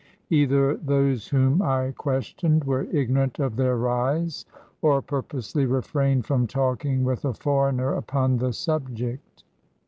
Either those whom I ques tioned were ignorant of their rise, or purposely refrained from talking with a foreigner upon the subject.